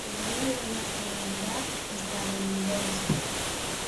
Tenía la nacionalidad estadounidense.